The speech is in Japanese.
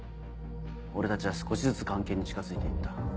俺たちは少しずつ菅研に近づいて行った。